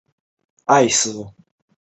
现任会长是施文信。